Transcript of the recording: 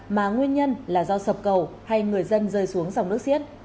mà nguyên nhân là do sập cầu hay người dân rơi xuống dòng nước xiết